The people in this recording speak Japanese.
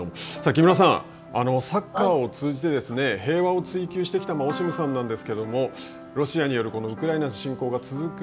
木村さん、サッカーを通じて平和を追求してきたオシムさんなんですけれどもロシアによるウクライナの侵攻が続く